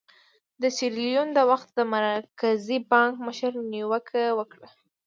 د سیریلیون د وخت د مرکزي بانک مشر نیوکه وکړه.